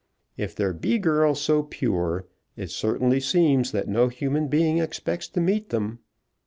If there be girls so pure, it certainly seems that no human being expects to meet them.